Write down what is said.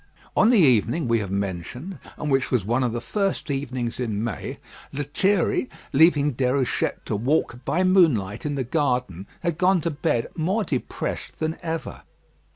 On the evening we have mentioned, and which was one of the first evenings in May, Lethierry, leaving Déruchette to walk by moonlight in the garden, had gone to bed more depressed than ever.